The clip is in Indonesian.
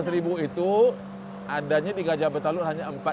empat belas ribu itu adanya di gajah betalur hanya empat lima ratus